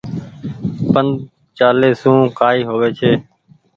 پند چآلي سون ڪآئي هووي ڇي۔